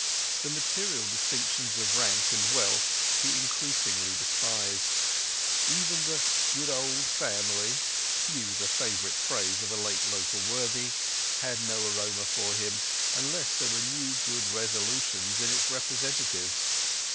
The material distinctions of rank and wealth he increasingly despised. Even the "good old family" (to use a favourite phrase of a late local worthy) had no aroma for him unless there were good new resolutions in its representatives.